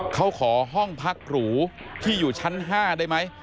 เขาขอห้องพักหรูที่อยู่ชั้น๕ได้ไหม